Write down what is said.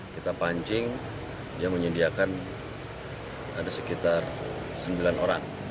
kita pancing dia menyediakan ada sekitar sembilan orang